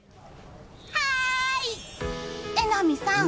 はーい、榎並さん